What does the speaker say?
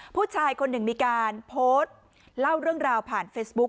ผู้ชายคนหนึ่งมีการโพสต์เล่าเรื่องราวผ่านเฟซบุ๊ค